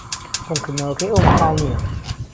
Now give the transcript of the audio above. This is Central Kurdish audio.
ڕوونكردنەوەكەی ئەو مەحال نییە.